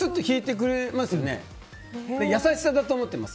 それは優しさだと思っています。